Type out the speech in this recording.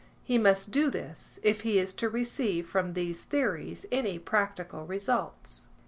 He must do this if he is to receive from these theories any practical results.